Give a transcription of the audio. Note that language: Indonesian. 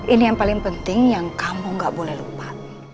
ini yang paling penting yang kamu gak boleh lupa